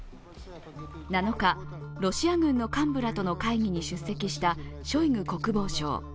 ７日、ロシア軍の幹部らとの会議に出席したショイグ国防相。